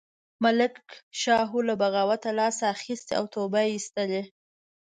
ملک شاهو له بغاوته لاس اخیستی او توبه یې ایستلې.